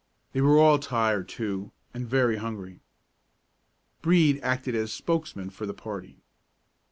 They were all tired, too, and very hungry. Brede acted as spokesman for the party.